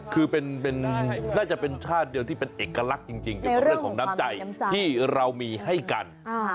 คือเป็นเป็นน่าจะเป็นชาติเดียวที่เป็นเอกลักษณ์จริงจริงในเรื่องของน้ำใจที่เรามีให้กันอ่า